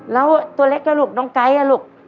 แล้วตัวเล็กแล้วลูกน้องไก๊ะลูก